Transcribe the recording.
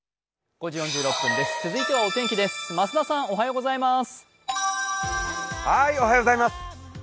続いてはお天気です増田さん、おはようございます。